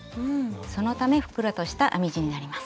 そのためふっくらとした編み地になります。